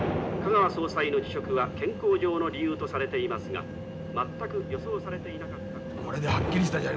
香川総裁の辞職は健康上の理由とされていますがまったく予想されていなかった」。